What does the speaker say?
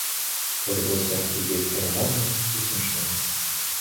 Это был сорт людей старомодных и смешных.